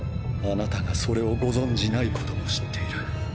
あなたがそれをご存じないことも知っている。